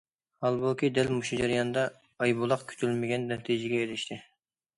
ھالبۇكى، دەل مۇشۇ جەرياندا ئايبۇلاق كۈتۈلمىگەن نەتىجىگە ئېرىشتى.